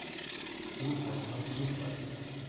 Nun halt mal die Luft an!